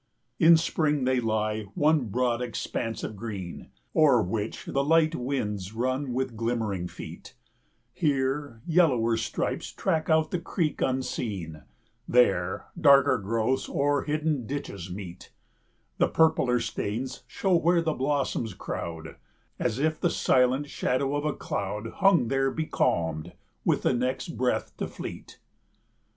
In Spring they lie one broad expanse of green, O'er which the light winds run with glimmering feet: Here, yellower stripes track out the creek unseen, There, darker growths o'er hidden ditches meet; And purpler stains show where the blossoms crowd, 110 As if the silent shadow of a cloud Hung there becalmed, with the next breath to fleet.